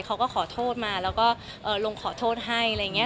เขาก็ขอโทษมาแล้วก็ลงขอโทษให้